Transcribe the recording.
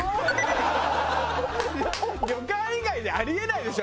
旅館以外であり得ないでしょ？